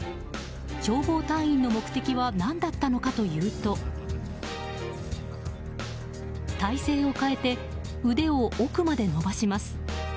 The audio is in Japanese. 消防隊員の目的は何だったのかというと体勢を変えて、腕を奥まで伸ばします。